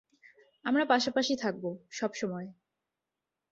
আমরা পাশাপাশি থাকবো, সবসময়।